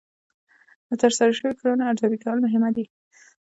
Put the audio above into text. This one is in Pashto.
د ترسره شوو کړنو ارزیابي کول مهمه ده.